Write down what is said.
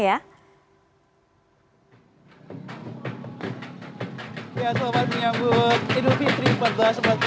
ya sobat sobat ini ibu fitri seribu empat ratus empat puluh empat fitri